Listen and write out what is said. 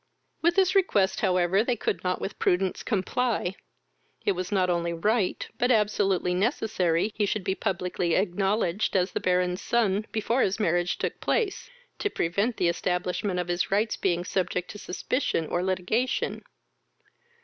With this request, however, they could not with prudence comply: it was not only right, but absolutely necessary he should be publicly acknowledged as the Baron's son before his marriage took place, to prevent the establishment of his rights being subject to suspicion or litigation.